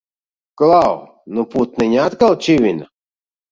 Klau! Nu putniņi atkal čivina!